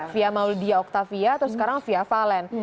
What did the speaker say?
fia maudia octavia terus sekarang fia valen